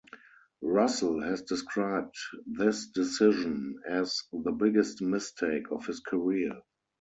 Russell has described this decision as the biggest mistake of his career.